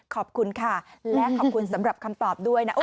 ขอบคุณค่ะและขอบคุณสำหรับคำตอบด้วยนะ